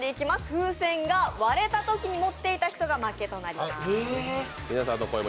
風船が割れたときに持っていた人が負けとなります。